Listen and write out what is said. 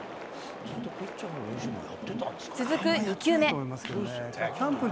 続く２球目。